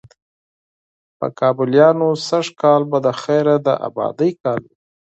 په کابليانو سږ کال به د خیره د آبادۍ کال وي،